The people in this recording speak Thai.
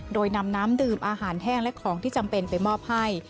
โดยนำน้ำดื่มอาหารแห้งและของที่จำเป็นไปมอบให้